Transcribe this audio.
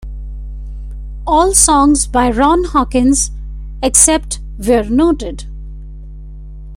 All songs by Ron Hawkins, except where noted.